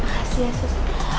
makasih ya sus